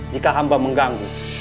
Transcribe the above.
jika hamba mengganggu